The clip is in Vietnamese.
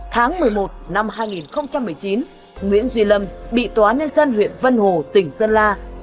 tháng một mươi một năm hai nghìn một mươi chín nguyễn duy lâm bị tòa nhân dân huyện vân hồ tỉnh sơn la